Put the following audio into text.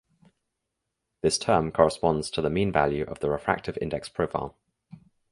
This term corresponds to the mean value of the refractive index profile.